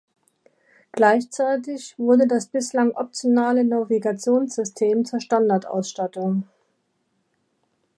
Gleichzeitig wurde das bislang optionale Navigationssystem zur Standardausstattung.